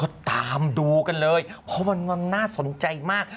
ก็ตามดูกันเลยเพราะมันน่าสนใจมาก